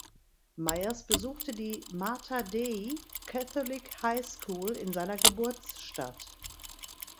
Myers besuchte die Mater Dei Catholic High School in seiner Geburtsstadt.